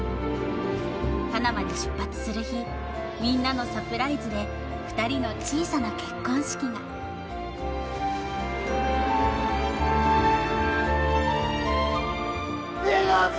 パナマに出発する日みんなのサプライズで２人の小さな結婚式がしずか！